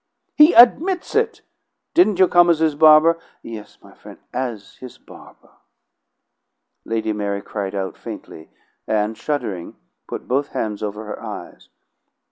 "He admits it! Didn't you come as his barber?" "Yes, my frien', as his barber." Lady Mary cried out faintly, and, shuddering, put both hands over her eyes.